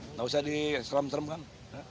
tidak usah dikerem kerem kan